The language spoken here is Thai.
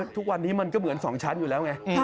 ทุกวันนี้มันก็เหมือน๒ชั้นอยู่แล้วไง